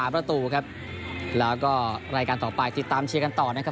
ประตูครับแล้วก็รายการต่อไปติดตามเชียร์กันต่อนะครับ